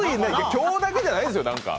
今日だけじゃないんですよ